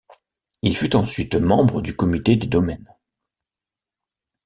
Il fut ensuite membre du comité des domaines.